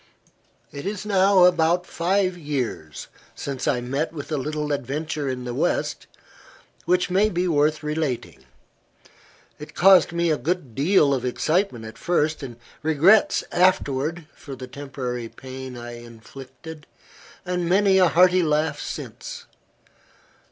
IT is now about five years since I met with a little adventure in the West, which may be worth relating. It caused me a good deal of excitement at first; regrets afterward, for the temporary pain I inflicted, and many a hearty laugh since.